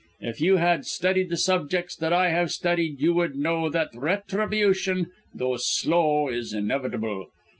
If you had studied the subjects that I have studied you would know that retribution, though slow, is inevitable.